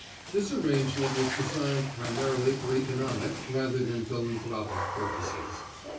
This arrangement was designed primarily for economic rather than philanthropic purposes.